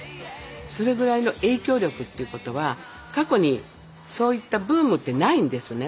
それぐらいの影響力ってことは過去にそういったブームってないんですね。